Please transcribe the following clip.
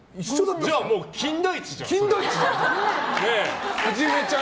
じゃあ、もう「金田一」じゃん。